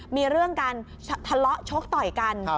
มีเรื่องกันทะเลาะชกต่อยกัน